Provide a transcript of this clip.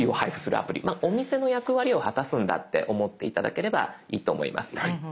まあお店の役割を果たすんだって思って頂ければいいと思います。